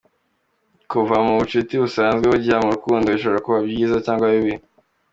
Kuva mu bucuti busanzwe ujya mu rukundo bishobora kuba byiza cyangwa bibi.